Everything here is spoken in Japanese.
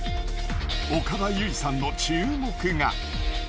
岡田結実さんの注目が。